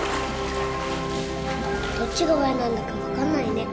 どっちが親なんだかわかんないね。